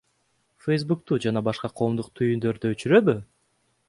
Фэйсбукту жана башка коомдук түйүндөрдү өчүрөбү?